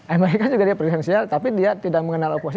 amerika juga dia presidensial tapi dia tidak mengenal oposisi